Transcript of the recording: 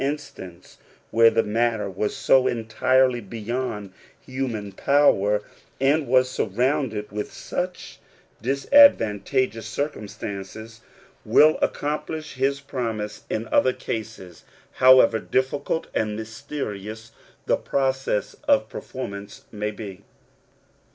instance, where the matter was so entirely beyond human power, and was surrounded with such dis advantageous circumstances, will accomplish his promise in other cases, however difficult and mysterious the process of performance may be.